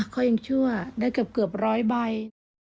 เขายังชั่วได้เกือบร้อยใบ